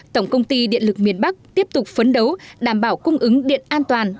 tổng công ty điện lực miền bắc tiếp tục phấn đấu đảm bảo cung ứng điện an toàn